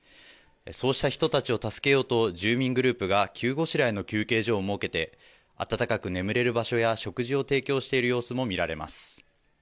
そうした人たちを助けようと、住民グループが急ごしらえの休憩所を設けて、暖かく眠れる場所や食事を提供している様子も見られます。